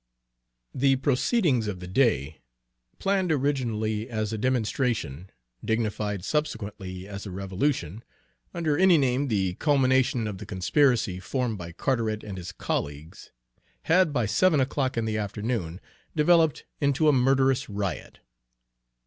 The proceedings of the day planned originally as a "demonstration," dignified subsequently as a "revolution," under any name the culmination of the conspiracy formed by Carteret and his colleagues had by seven o'clock in the afternoon developed into a murderous riot.